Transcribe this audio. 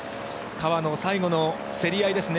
川野、最後の競り合いですね。